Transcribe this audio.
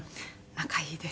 仲いいです。